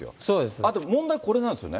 あと、問題これなんですよね。